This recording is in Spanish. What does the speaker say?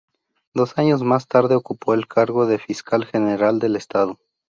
Dos años más tarde ocupó el cargo de Fiscal General del Estado.